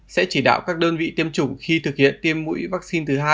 sẽ chỉ đạo các đơn vị tiêm chủng khi thực hiện tiêm mũi vaccine thứ hai